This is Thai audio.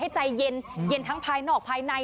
ใจเย็นทั้งภายนอกภายใน